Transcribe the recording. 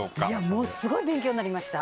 もうすごい勉強になりました。